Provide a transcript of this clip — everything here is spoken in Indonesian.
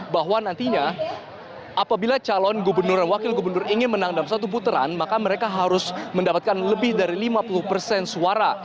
bahwa nantinya apabila calon gubernur dan wakil gubernur ingin menang dalam satu putaran maka mereka harus mendapatkan lebih dari lima puluh persen suara